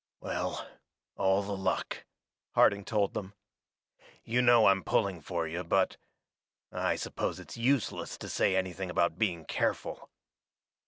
"Well, all the luck," Harding told them. "You know I'm pulling for you, but I suppose it's useless to say anything about being careful."